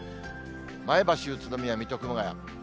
前橋、宇都宮、水戸、熊谷。